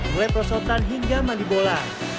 mulai perosotan hingga mandi bola